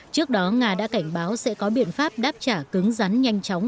trước đó nga đã cảnh báo sẽ có biện pháp đáp trả cứng rắn nhanh chóng